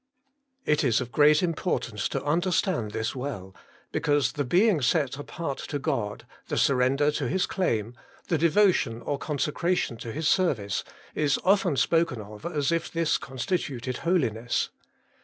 It is of great importance to understand this well, because the being set apart to God, the surrender to His claim, the devotion or consecration to His ser vice, is often spoken of as if this constituted holiness.